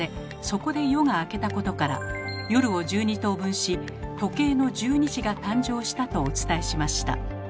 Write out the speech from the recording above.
そこで夜が明けたことから夜を１２等分し時計の１２時が誕生したとお伝えしました。